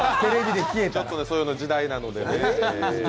そういうのが時代なのでね。